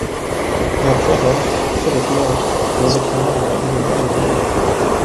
Her brother, Philip Lloyd, was a Commander in the Royal Navy.